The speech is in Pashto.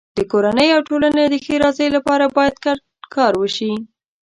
د کورنۍ او ټولنې د ښېرازۍ لپاره باید ګډ کار وشي.